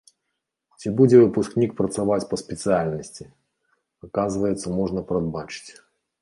Ці будзе выпускнік працаваць па спецыяльнасці, аказваецца, можна прадбачыць.